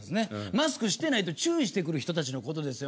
マスクしてないと注意してくる人たちのことですよ。